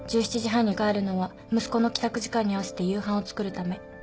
１７時半に帰るのは息子の帰宅時間に合わせて夕飯を作るため。